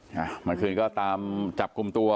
เมื่อคืนก็ตามจับกลุ่มตัว